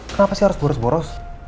kenapa sih harus boros boros